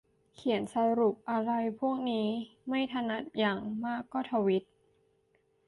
เขียนสรุปอะไรพวกนี้ไม่ถนัด อย่างมากก็ทวีต